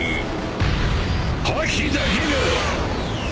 覇気だけが！